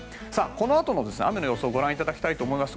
このあとの雨の予想をご覧いただきたいと思います。